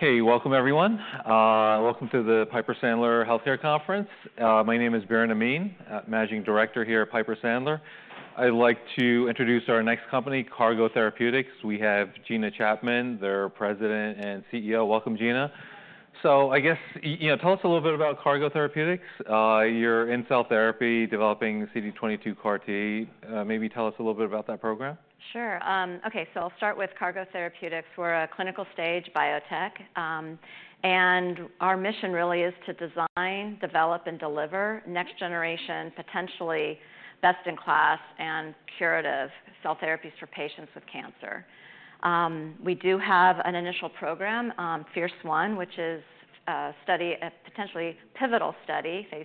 Hey, welcome everyone. Welcome to the Piper Sandler healthcare conference. My name is Biren Amin, Managing Director here at Piper Sandler. I'd like to introduce our next company, Cargo Therapeutics. We have Gina Chapman, their President and CEO. Welcome, Gina. So I guess, you know, tell us a little bit about Cargo Therapeutics, your CAR-T cell therapy developing CD22 CAR-T. Maybe tell us a little bit about that program. Sure. Okay, so I'll start with Cargo Therapeutics. We're a clinical-stage biotech. Our mission really is to design, develop, and deliver next-generation, potentially best-in-class and curative cell therapies for patients with cancer. We do have an initial program, FIRCE-1, which is a study, a potentially pivotal study, phase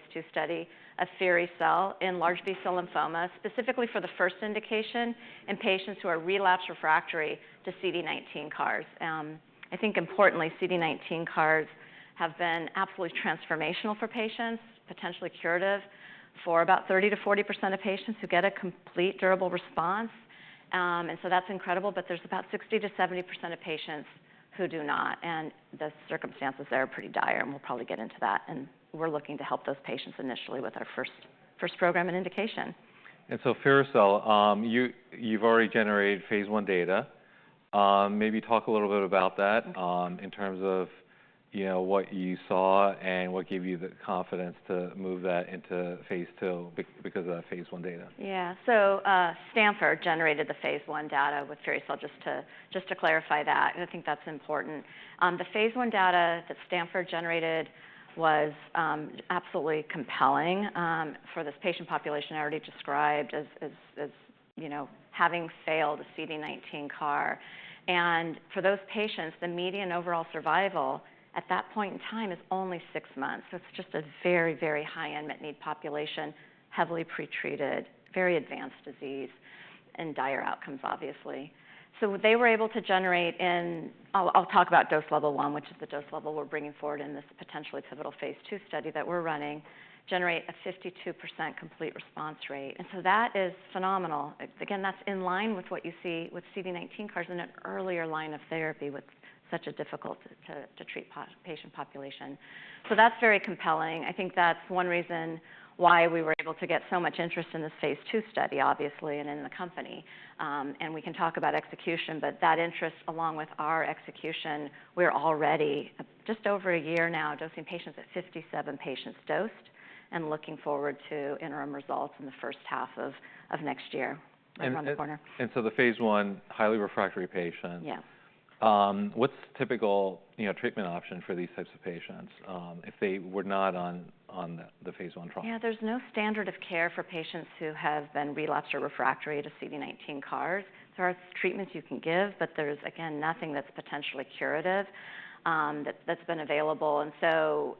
II study of firi-cel in large B-cell lymphoma, specifically for the first indication in patients who are relapsed refractory to CD19 CARs. I think importantly, CD19 CARs have been absolutely transformational for patients, potentially curative for about 30%-40% of patients who get a complete durable response. And so that's incredible. But there's about 60%-70% of patients who do not. And the circumstances there are pretty dire. And we'll probably get into that. And we're looking to help those patients initially with our first program and indication. So firi-cel, you've already generated phase I data. Maybe talk a little bit about that in terms of, you know, what you saw and what gave you the confidence to move that into phase II because of that phase I data. Yeah, so Stanford generated the phase I data with FIRCE-1 just to clarify that, and I think that's important. The phase I data that Stanford generated was absolutely compelling for this patient population I already described as, you know, having failed a CD19 CAR, and for those patients, the median overall survival at that point in time is only six months, so it's just a very, very high unmet need population, heavily pretreated, very advanced disease and dire outcomes, obviously, so they were able to generate in. I'll talk about dose level 1, which is the dose level we're bringing forward in this potentially pivotal phase II study that we're running, generate a 52% complete response rate, and so that is phenomenal. Again, that's in line with what you see with CD19 CARs in an earlier line of therapy with such a difficult to treat patient population. So that's very compelling. I think that's one reason why we were able to get so much interest in this phase II study, obviously, and in the company and we can talk about execution. But that interest along with our execution, we're already just over a year now dosing patients at 57 patients dosed and looking forward to interim results in the first half of next year around the corner. And so the phase I highly refractory patients. Yeah. What's the typical, you know, treatment option for these types of patients if they were not on the phase I trial? Yeah, there's no standard of care for patients who have been relapsed or refractory to CD19 CARs. There are treatments you can give, but there's, again, nothing that's potentially curative that's been available. And so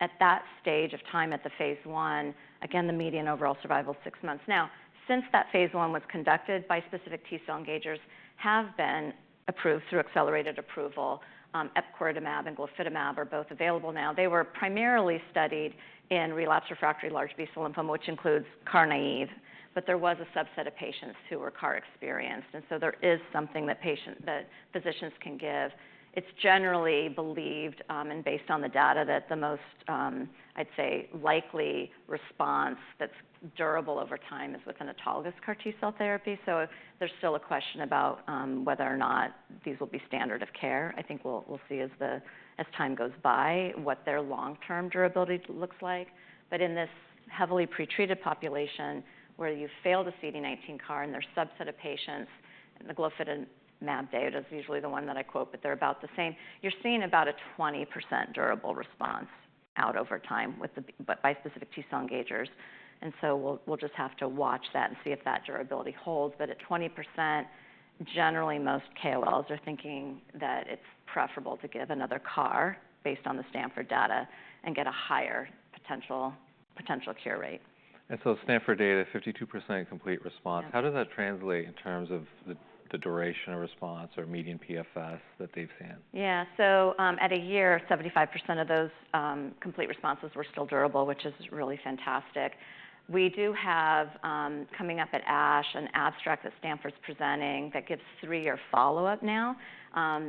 at that stage of time at the phase I, again, the median overall survival is six months. Now, since that phase I was conducted, bispecific T-cell engagers have been approved through accelerated approval. Epcoritamab and glofitamab are both available now. They were primarily studied in relapsed refractory large B-cell lymphoma, which includes CAR-naïve. But there was a subset of patients who were CAR-experienced. And so there is something that patients, that physicians can give. It's generally believed and based on the data that the most, I'd say, likely response that's durable over time is with an autologous CAR T-cell therapy. There's still a question about whether or not these will be standard of care. I think we'll see as time goes by what their long-term durability looks like. But in this heavily pretreated population where you fail the CD19 CAR and there's a subset of patients, the glofitamab data is usually the one that I quote, but they're about the same. You're seeing about a 20% durable response out over time with the bispecific T-cell engagers. We'll just have to watch that and see if that durability holds. But at 20%, generally most KOLs are thinking that it's preferable to give another CAR based on the Stanford data and get a higher potential cure rate. And so Stanford data, 52% complete response. How does that translate in terms of the duration of response or median PFS that they've seen? Yeah, so at a year, 75% of those complete responses were still durable, which is really fantastic. We do have coming up at ASH an abstract that Stanford's presenting that gives three-year follow-up now.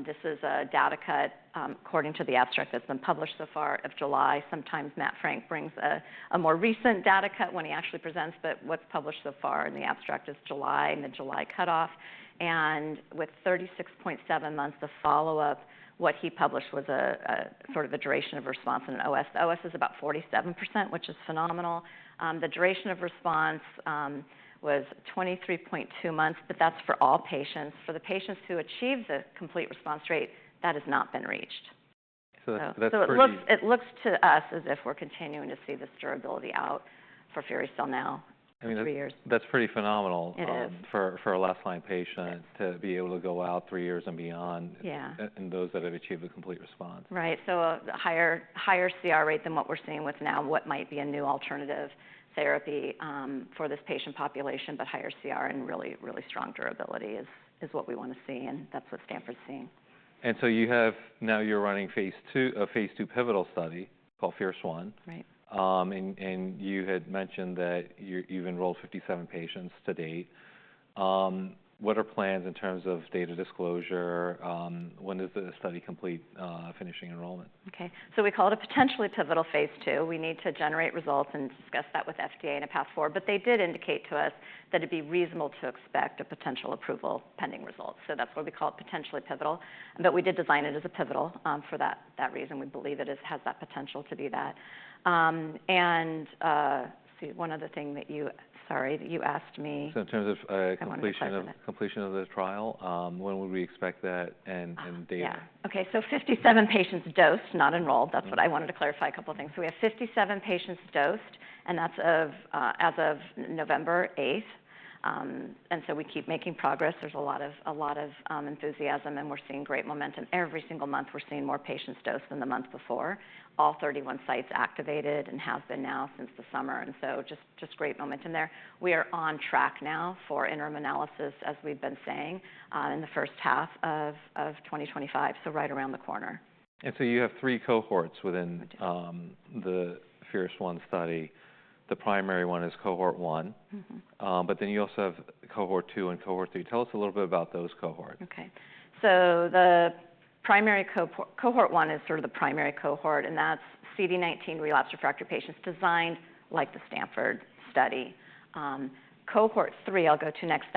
This is a data cut according to the abstract that's been published so far of July. Sometimes Matt Frank brings a more recent data cut when he actually presents. But what's published so far in the abstract is July and the July cutoff. And with 36.7 months of follow-up, what he published was a sort of a duration of response and an OS. The OS is about 47%, which is phenomenal. The duration of response was 23.2 months, but that's for all patients. For the patients who achieve the complete response rate, that has not been reached. That's pretty. It looks to us as if we're continuing to see this durability out for firi-cel now for three years. I mean, that's pretty phenomenal for a late-line patient to be able to go out three years and beyond in those that have achieved a complete response. Right. So a higher CR rate than what we're seeing with now, what might be a new alternative therapy for this patient population, but higher CR and really, really strong durability is what we want to see. And that's what Stanford's seeing. Now you're running a phase II pivotal study called FIRCE-1. Right. And you had mentioned that you've enrolled 57 patients to date. What are plans in terms of data disclosure? When is the study finishing enrollment? Okay, so we call it a potentially pivotal phase II. We need to generate results and discuss that with FDA and a path forward. But they did indicate to us that it'd be reasonable to expect a potential approval pending results. So that's why we call it potentially pivotal. But we did design it as a pivotal for that reason. We believe it has that potential to be that. And let's see, one other thing that you, sorry, that you asked me. In terms of completion of the trial, when would we expect that and data? Yeah. Okay, so 57 patients dosed, not enrolled. That's what I wanted to clarify a couple of things. So we have 57 patients dosed, and that's as of November 8th. And so we keep making progress. There's a lot of enthusiasm, and we're seeing great momentum. Every single month we're seeing more patients dosed than the month before. All 31 sites activated and have been now since the summer. And so just great momentum there. We are on track now for interim analysis, as we've been saying, in the first half of 2025. So right around the corner. And so you have three cohorts within the FIRCE-1 study. The primary one is cohort one. But then you also have cohort two and cohort three. Tell us a little bit about those cohorts. Okay. So the primary cohort one is sort of the primary cohort, and that's CD19 relapsed refractory patients designed like the Stanford study. Cohort three, I'll go to next,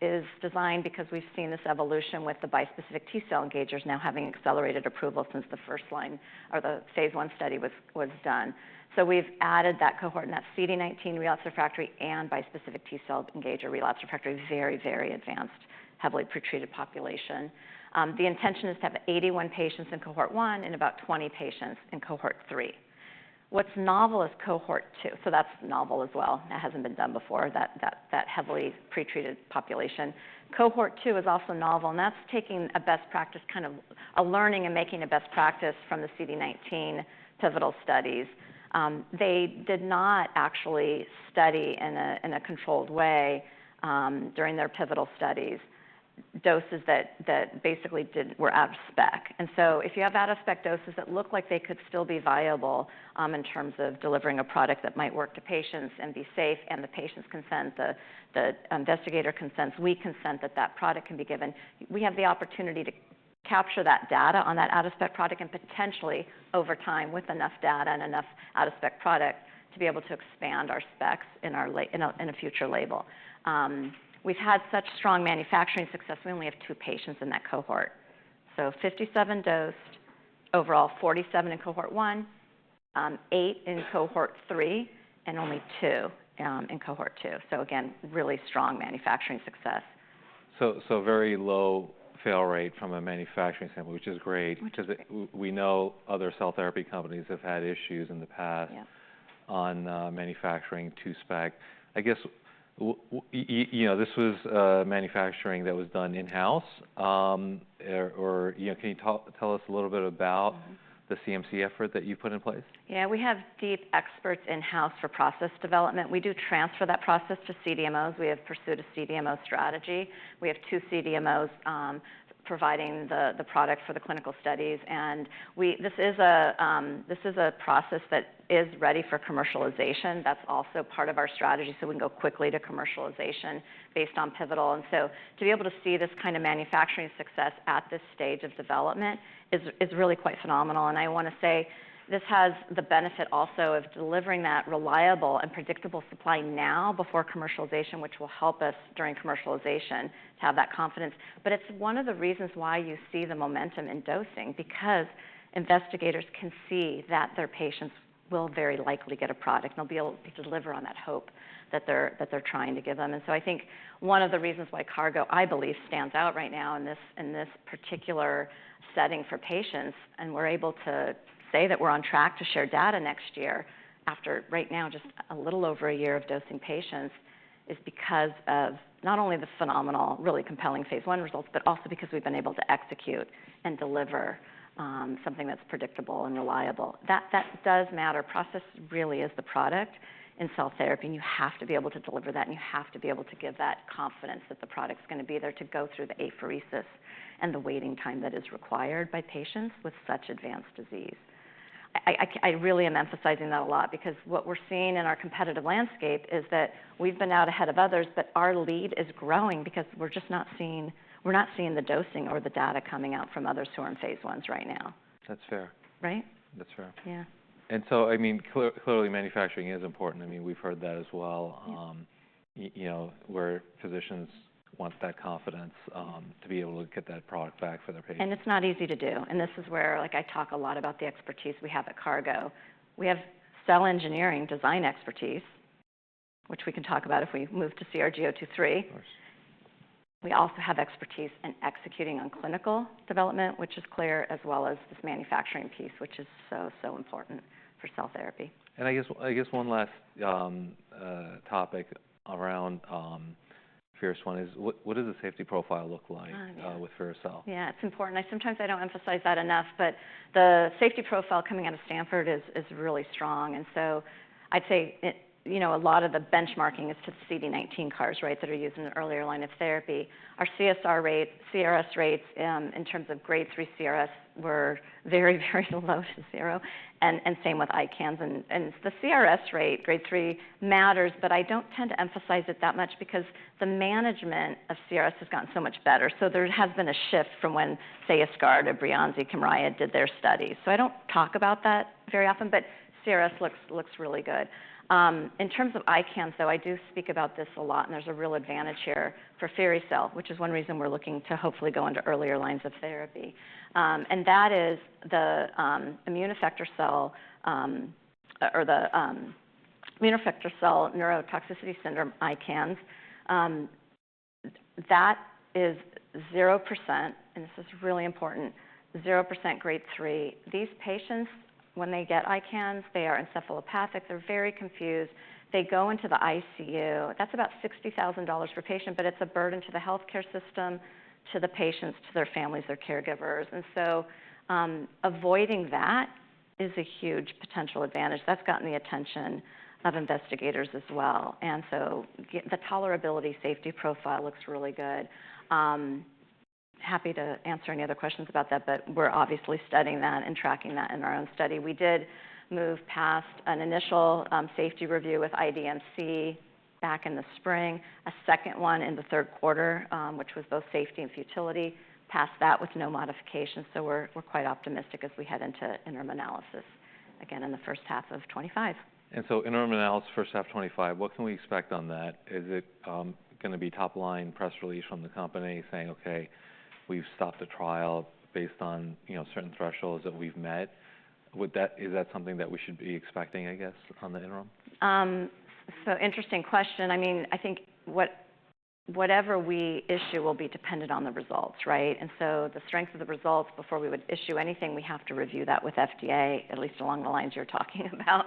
that is designed because we've seen this evolution with the bispecific T-cell engagers now having accelerated approval since the first line or the phase I study was done. So we've added that cohort and that CD19 relapsed refractory and bispecific T-cell engager relapsed refractory, very, very advanced, heavily pretreated population. The intention is to have 81 patients in cohort one and about 20 patients in cohort three. What's novel is cohort two. So that's novel as well. That hasn't been done before, that heavily pretreated population. Cohort two is also novel, and that's taking a best practice, kind of a learning and making a best practice from the CD19 pivotal studies. They did not actually study in a controlled way during their pivotal studies doses that basically were out of spec. And so if you have out of spec doses that look like they could still be viable in terms of delivering a product that might work to patients and be safe and the patient's consent, the investigator consents, we consent that that product can be given. We have the opportunity to capture that data on that out of spec product and potentially over time with enough data and enough out of spec product to be able to expand our specs in a future label. We've had such strong manufacturing success. We only have two patients in that cohort. So 57 dosed, overall 47 in cohort one, eight in cohort three, and only two in cohort two. So again, really strong manufacturing success. Very low fail rate from a manufacturing standpoint, which is great. We know other cell therapy companies have had issues in the past on manufacturing to spec. I guess, you know, this was manufacturing that was done in-house. Or can you tell us a little bit about the CMC effort that you put in place? Yeah, we have deep experts in-house for process development. We do transfer that process to CDMOs. We have pursued a CDMO strategy. We have two CDMOs providing the product for the clinical studies. And this is a process that is ready for commercialization. That's also part of our strategy. So we can go quickly to commercialization based on pivotal. And so to be able to see this kind of manufacturing success at this stage of development is really quite phenomenal. And I want to say this has the benefit also of delivering that reliable and predictable supply now before commercialization, which will help us during commercialization to have that confidence. It's one of the reasons why you see the momentum in dosing, because investigators can see that their patients will very likely get a product and they'll be able to deliver on that hope that they're trying to give them. And so I think one of the reasons why Cargo, I believe, stands out right now in this particular setting for patients, and we're able to say that we're on track to share data next year after right now just a little over a year of dosing patients, is because of not only the phenomenal, really compelling phase I results, but also because we've been able to execute and deliver something that's predictable and reliable. That does matter. Process really is the product in cell therapy, and you have to be able to deliver that, and you have to be able to give that confidence that the product's going to be there to go through the apheresis and the waiting time that is required by patients with such advanced disease. I really am emphasizing that a lot because what we're seeing in our competitive landscape is that we've been out ahead of others, but our lead is growing because we're just not seeing the dosing or the data coming out from others who are in phase Is right now. That's fair. Right? That's fair. Yeah. And so, I mean, clearly manufacturing is important. I mean, we've heard that as well. You know, where physicians want that confidence to be able to get that product back for their patients. It's not easy to do. This is where, like, I talk a lot about the expertise we have at Cargo. We have cell engineering design expertise, which we can talk about if we move to CRG-023. Of course. We also have expertise in executing on clinical development, which is clear, as well as this manufacturing piece, which is so, so important for cell therapy. I guess one last topic around FIRCE-1 is what does the safety profile look like with firi-cel? Yeah, it's important. Sometimes I don't emphasize that enough, but the safety profile coming out of Stanford is really strong. And so I'd say, you know, a lot of the benchmarking is to the CD19 CARs, right, that are used in the earlier line of therapy. Our CR rate, CRS rates in terms of grade three CRS were very, very low to zero. And same with ICANS. And the CRS rate, grade three, matters, but I don't tend to emphasize it that much because the management of CRS has gotten so much better. So there has been a shift from when, say, Yescarta or Breyanzi, Kymriah did their studies. So I don't talk about that very often, but CRS looks really good. In terms of ICANS, though, I do speak about this a lot, and there's a real advantage here for firi-cel, which is one reason we're looking to hopefully go into earlier lines of therapy. And that is the immune effector cell-associated neurotoxicity syndrome, ICANS. That is 0%, and this is really important, 0% grade three. These patients, when they get ICANS, they are encephalopathic. They're very confused. They go into the ICU. That's about $60,000 per patient, but it's a burden to the healthcare system, to the patients, to their families, their caregivers. And so avoiding that is a huge potential advantage. That's gotten the attention of investigators as well. And so the tolerability safety profile looks really good. Happy to answer any other questions about that, but we're obviously studying that and tracking that in our own study. We did move past an initial safety review with IDMC back in the spring, a second one in the third quarter, which was both safety and futility. Passed that with no modification. So we're quite optimistic as we head into interim analysis again in the first half of 2025. So interim analysis, first half of 2025, what can we expect on that? Is it going to be top line press release from the company saying, "Okay, we've stopped the trial based on certain thresholds that we've met"? Is that something that we should be expecting, I guess, on the interim? Interesting question. I mean, I think whatever we issue will be dependent on the results, right? And so the strength of the results before we would issue anything, we have to review that with FDA, at least along the lines you're talking about.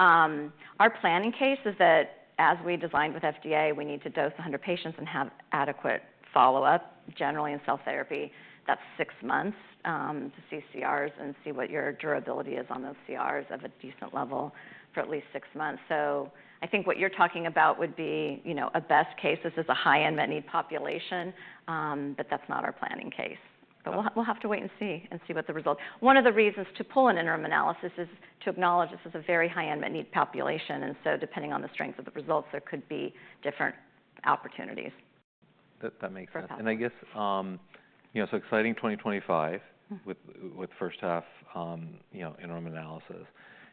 Our planning case is that as we designed with FDA, we need to dose 100 patients and have adequate follow-up generally in cell therapy. That's six months to see CRs and see what your durability is on those CRs of a decent level for at least six months. So I think what you're talking about would be, you know, a best case is this is a high unmet need population, but that's not our planning case. But we'll have to wait and see and see what the results. One of the reasons to pull an interim analysis is to acknowledge this is a very high unmet need population. And so, depending on the strength of the results, there could be different opportunities. That makes sense. I guess, you know, so exciting 2025 with first half interim analysis.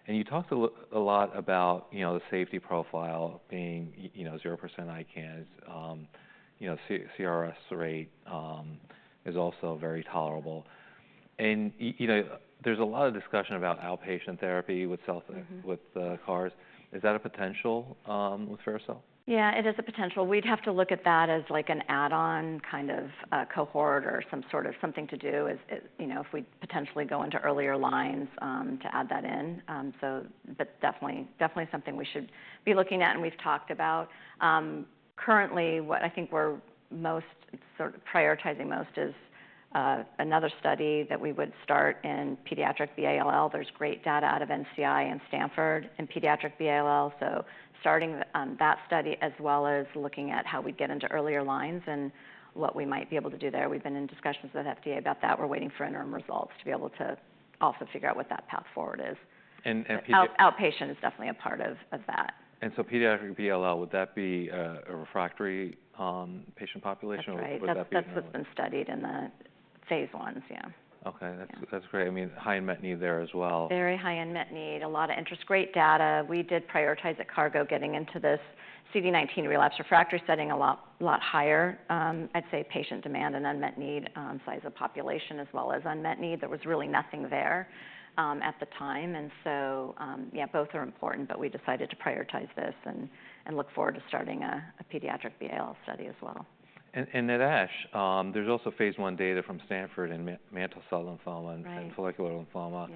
You talked a lot about, you know, the safety profile being 0% ICANS. You know, CRS rate is also very tolerable. You know, there's a lot of discussion about outpatient therapy with CARs. Is that a potential with firi-cel? Yeah, it is a potential. We'd have to look at that as like an add-on kind of cohort or some sort of something to do, you know, if we potentially go into earlier lines to add that in. So, but definitely, definitely something we should be looking at and we've talked about. Currently, what I think we're most sort of prioritizing most is another study that we would start in pediatric B-ALL. There's great data out of NCI and Stanford in pediatric B-ALL. So starting that study as well as looking at how we get into earlier lines and what we might be able to do there. We've been in discussions with FDA about that. We're waiting for interim results to be able to also figure out what that path forward is. And. Outpatient is definitely a part of that. Pediatric B-ALL, would that be a refractory patient population? That's what's been studied in the phase Is, yeah. Okay, that's great. I mean, high unmet need there as well. Very high unmet need. A lot of interest, great data. We did prioritize at Cargo getting into this CD19 relapsed refractory setting a lot higher. I'd say patient demand and unmet need size of population as well as unmet need. There was really nothing there at the time, so yeah, both are important, but we decided to prioritize this and look forward to starting a pediatric B-ALL study as well. And then ASH, there's also phase I data from Stanford in mantle cell lymphoma and follicular lymphoma.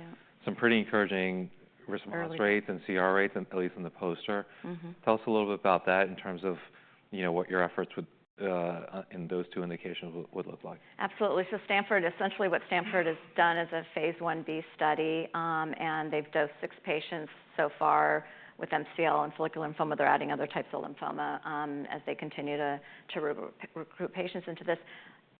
Some pretty encouraging response rates and CR rates, at least in the poster. Tell us a little bit about that in terms of, you know, what your efforts in those two indications would look like. Absolutely, so Stanford, essentially what Stanford has done is a phase I-B study, and they've dosed six patients so far with MCL and follicular lymphoma. They're adding other types of lymphoma as they continue to recruit patients into this.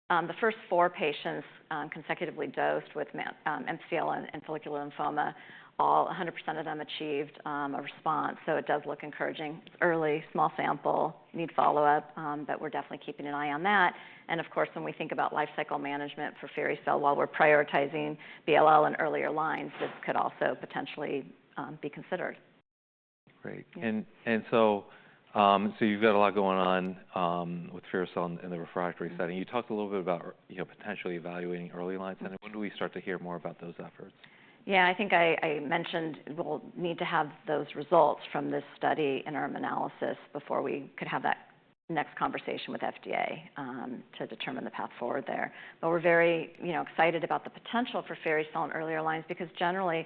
The first four patients consecutively dosed with MCL and follicular lymphoma, all 100% of them achieved a response, so it does look encouraging. It's early, small sample, need follow-up, but we're definitely keeping an eye on that, and of course, when we think about lifecycle management for firi-cel while we're prioritizing B-ALL in earlier lines, this could also potentially be considered. Great. And so you've got a lot going on with firi-cel in the refractory setting. You talked a little bit about, you know, potentially evaluating early lines. When do we start to hear more about those efforts? Yeah, I think I mentioned we'll need to have those results from this study interim analysis before we could have that next conversation with FDA to determine the path forward there. But we're very, you know, excited about the potential for firi-cel in earlier lines because generally,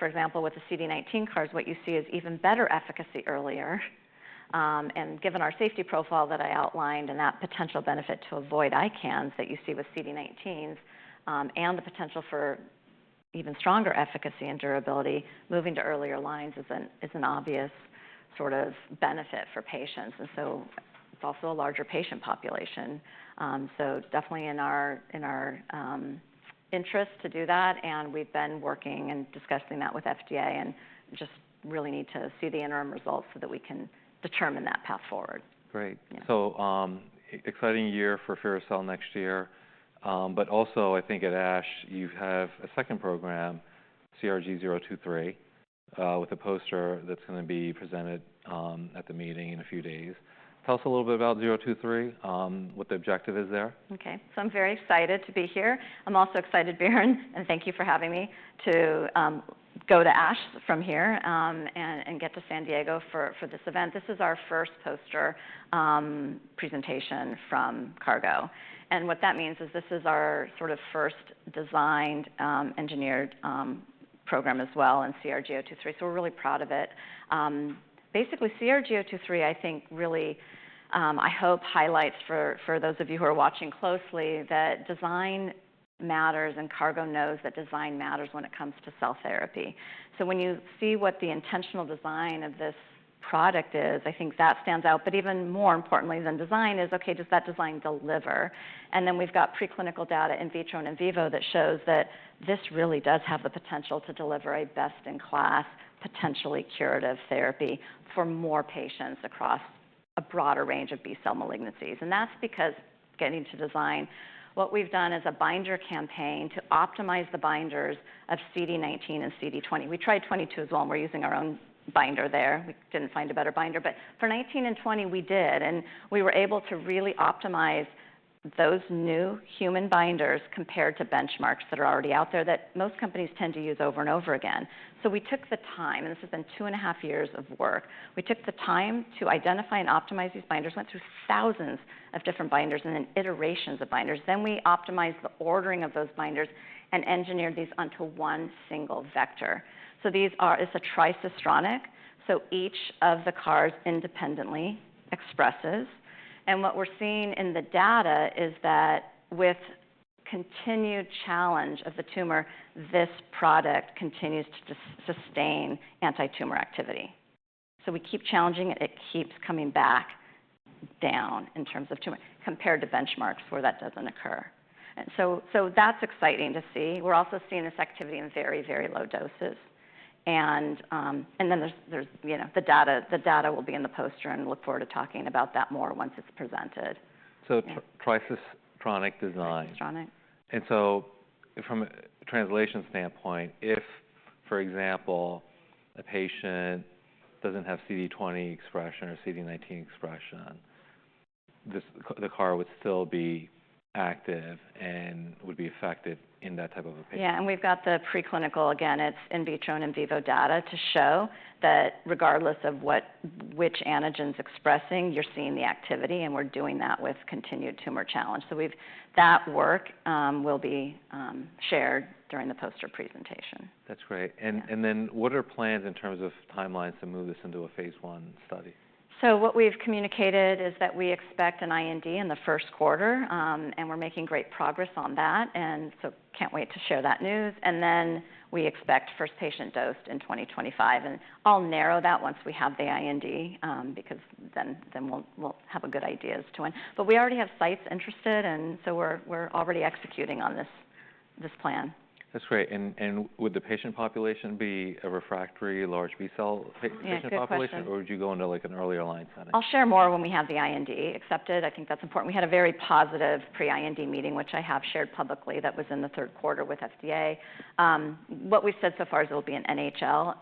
for example, with the CD19 CARs, what you see is even better efficacy earlier. And given our safety profile that I outlined and that potential benefit to avoid ICANS that you see with CD19s and the potential for even stronger efficacy and durability, moving to earlier lines is an obvious sort of benefit for patients. And so it's also a larger patient population. So definitely in our interest to do that. And we've been working and discussing that with FDA and just really need to see the interim results so that we can determine that path forward. Great. So, exciting year for firi-cel next year. But also, I think at ASH, you have a second program, CRG-023, with a poster that's going to be presented at the meeting in a few days. Tell us a little bit about 023, what the objective is there? Okay. So I'm very excited to be here. I'm also excited, Biren, and thank you for having me to go to ASH from here and get to San Diego for this event. This is our first poster presentation from Cargo. And what that means is this is our sort of first designed, engineered program as well in CRG-023. So we're really proud of it. Basically, CRG-023, I think really, I hope highlights for those of you who are watching closely that design matters and Cargo knows that design matters when it comes to cell therapy. So when you see what the intentional design of this product is, I think that stands out. But even more importantly than design is, okay, does that design deliver? And then we've got preclinical data in vitro and in vivo that shows that this really does have the potential to deliver a best-in-class, potentially curative therapy for more patients across a broader range of B-cell malignancies. And that's because getting to design, what we've done is a binder campaign to optimize the binders of CD19 and CD20. We tried CD22 as well and we're using our own binder there. We didn't find a better binder, but for CD19 and CD20, we did. And we were able to really optimize those new human binders compared to benchmarks that are already out there that most companies tend to use over and over again. So we took the time, and this has been two and a half years of work. We took the time to identify and optimize these binders, went through thousands of different binders and then iterations of binders. Then we optimized the ordering of those binders and engineered these onto one single vector. So these are, it's a tricistronic. So each of the CARs independently expresses. And what we're seeing in the data is that with continued challenge of the tumor, this product continues to sustain anti-tumor activity. So we keep challenging it. It keeps coming back down in terms of tumor compared to benchmarks where that doesn't occur. And so that's exciting to see. We're also seeing this activity in very, very low doses. And then there's, you know, the data will be in the poster and look forward to talking about that more once it's presented. Tricistronic design. Tricistronic. From a translational standpoint, if, for example, a patient doesn't have CD20 expression or CD19 expression, the CAR would still be active and would be effective in that type of a patient. Yeah, and we've got the preclinical, again, it's in vitro and in vivo data to show that regardless of which antigens expressing, you're seeing the activity and we're doing that with continued tumor challenge. So that work will be shared during the poster presentation. That's great. And then what are plans in terms of timelines to move this into a phase I study? What we've communicated is that we expect an IND in the first quarter and we're making great progress on that. And so can't wait to share that news. And then we expect first patient dosed in 2025. And I'll narrow that once we have the IND because then we'll have good ideas as to when. But we already have sites interested and so we're already executing on this plan. That's great. And would the patient population be a refractory large B-cell patient population or would you go into like an earlier line setting? I'll share more when we have the IND accepted. I think that's important. We had a very positive pre-IND meeting, which I have shared publicly, that was in the third quarter with FDA. What we've said so far is it'll be an NHL.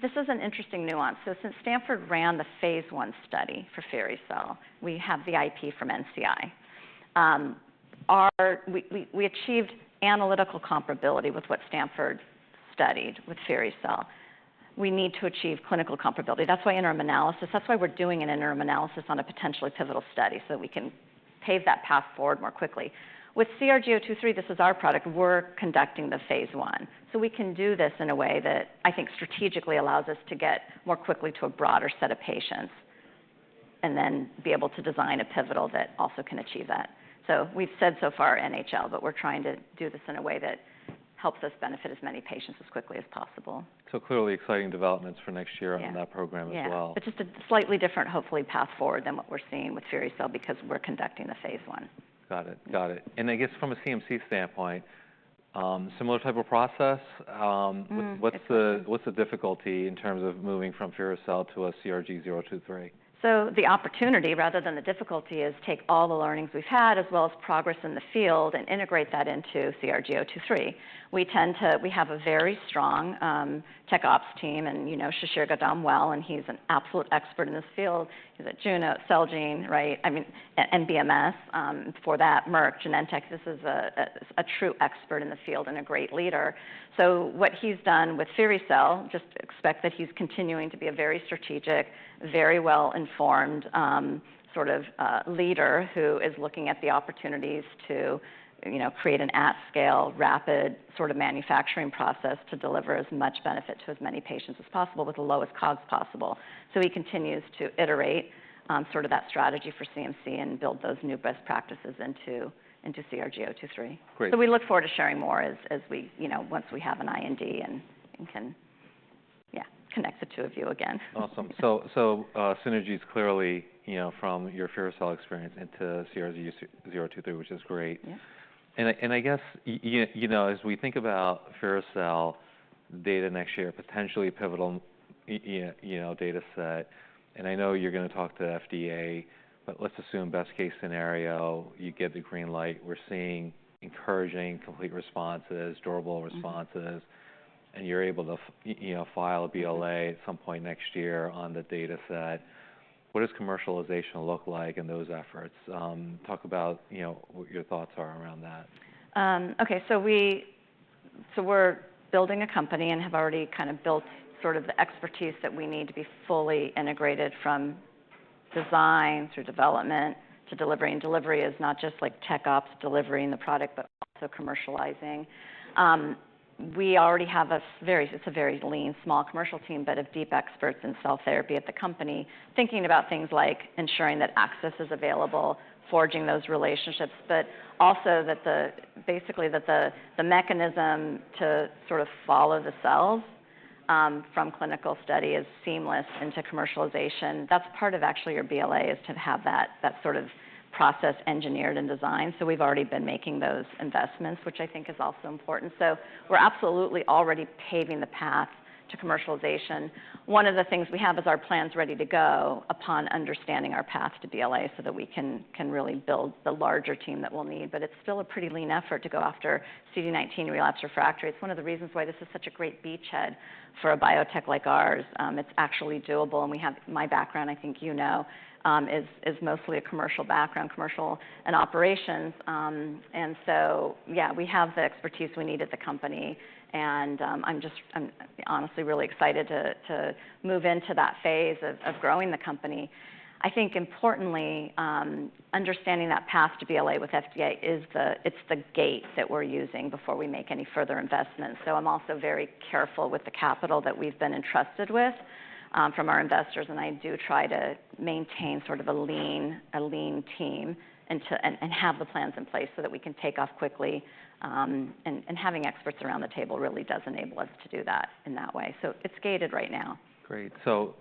This is an interesting nuance. So since Stanford ran the phase I study for firi-cel, we have the IP from NCI. We achieved analytical comparability with what Stanford studied with firi-cel. We need to achieve clinical comparability. That's why interim analysis, that's why we're doing an interim analysis on a potentially pivotal study so that we can pave that path forward more quickly. With CRG-023, this is our product. We're conducting the phase I. So we can do this in a way that I think strategically allows us to get more quickly to a broader set of patients and then be able to design a pivotal that also can achieve that. So we've said so far NHL, but we're trying to do this in a way that helps us benefit as many patients as quickly as possible. So clearly exciting developments for next year on that program as well. Yeah, but just a slightly different, hopefully, path forward than what we're seeing with firi-cel because we're conducting the phase I. Got it. Got it. And I guess from a CMC standpoint, similar type of process. What's the difficulty in terms of moving from firi-cel to a CRG-023? So the opportunity rather than the difficulty is take all the learnings we've had as well as progress in the field and integrate that into CRG-023. We tend to, we have a very strong tech ops team and, you know, Shishir Gadam well, and he's an absolute expert in this field. He's at Juno, Celgene, right? I mean, and BMS for that, Merck, Genentech. This is a true expert in the field and a great leader. So what he's done with firi-cel, just expect that he's continuing to be a very strategic, very well-informed sort of leader who is looking at the opportunities to, you know, create an at-scale, rapid sort of manufacturing process to deliver as much benefit to as many patients as possible with the lowest cost possible. So he continues to iterate sort of that strategy for CMC and build those new best practices into CRG-023. So we look forward to sharing more as we, you know, once we have an IND and can, yeah, connect the two of you again. Awesome. So synergies clearly, you know, from your firi-cel experience into CRG-023, which is great. And I guess, you know, as we think about firi-cel data next year, potentially pivotal, you know, data set. And I know you're going to talk to FDA, but let's assume best case scenario, you get the green light. We're seeing encouraging complete responses, durable responses, and you're able to, you know, file a BLA at some point next year on the data set. What does commercialization look like in those efforts? Talk about, you know, what your thoughts are around that. Okay, so we're building a company and have already kind of built sort of the expertise that we need to be fully integrated from design through development to delivery. And delivery is not just like tech ops delivering the product, but also commercializing. We already have a very; it's a very lean, small commercial team, but of deep experts in cell therapy at the company thinking about things like ensuring that access is available, forging those relationships, but also that the, basically that the mechanism to sort of follow the cells from clinical study is seamless into commercialization. That's part of actually your BLA is to have that sort of process engineered and designed. So we've already been making those investments, which I think is also important. So we're absolutely already paving the path to commercialization. One of the things we have is our plans ready to go upon understanding our path to BLA so that we can really build the larger team that we'll need, but it's still a pretty lean effort to go after CD19 relapsed refractory. It's one of the reasons why this is such a great beachhead for a biotech like ours. It's actually doable, and we have, my background, I think you know, is mostly a commercial background, commercial and operations, and so, yeah, we have the expertise we need at the company, and I'm just honestly really excited to move into that phase of growing the company. I think importantly, understanding that path to BLA with FDA is the. It's the gate that we're using before we make any further investments, so I'm also very careful with the capital that we've been entrusted with from our investors. And I do try to maintain sort of a lean team and have the plans in place so that we can take off quickly. And having experts around the table really does enable us to do that in that way. So it's gated right now. Great. So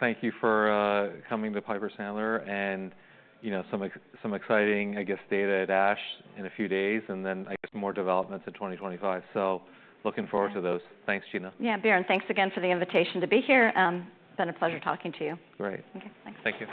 thank you for coming to Piper Sandler and, you know, some exciting, I guess, data at ASH in a few days and then I guess more developments in 2025. So looking forward to those. Thanks, Gina. Yeah, Biren, thanks again for the invitation to be here. It's been a pleasure talking to you. Great. Okay, thanks. Thank you.